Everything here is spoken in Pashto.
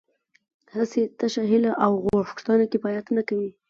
هسې تشه هیله او غوښتنه کفایت نه کوي